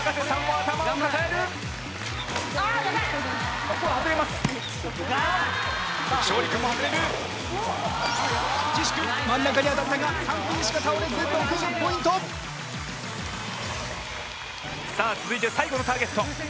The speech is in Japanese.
さあ続いて最後のターゲット。